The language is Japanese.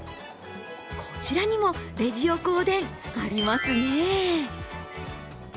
こちらにもレジ横おでん、ありますね。